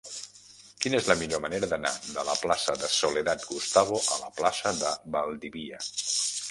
Quina és la millor manera d'anar de la plaça de Soledad Gustavo a la plaça de Valdivia?